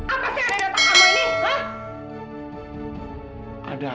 apa sih aneh aneh otak kamu ini hah